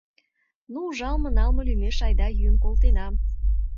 Ну, ужалыме-налме лӱмеш айда йӱын колтена.